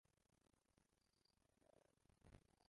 Karoli ni ibisanzwe kuba warafunzwe rwose.